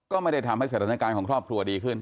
ก็ไม่ได้ทำให้สถานการณ์ของครอบครัวดีขึ้น